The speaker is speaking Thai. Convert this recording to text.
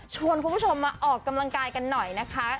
คุณผู้ชมมาออกกำลังกายกันหน่อยนะคะ